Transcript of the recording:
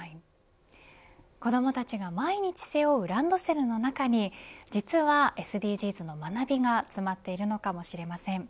子どもたちが毎日背負うランドセルの中に実はＳＤＧｓの学びが詰まっているのかもしれません。